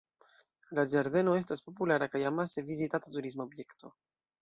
La ĝardeno estas populara kaj amase vizitata turisma objekto.